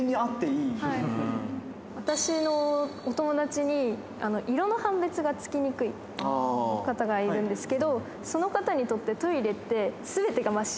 私のお友達に、色の判別がつきにくい方がいるんですけど、その方にとって、トイレって、すべてが真っ白。